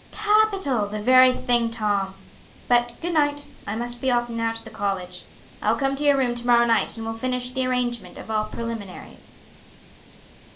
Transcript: "Capital! The very thing, Tom! But good night. I must be off now to the college. I'll come to your room to morrow night and we'll finish the arrangement of all preliminaries."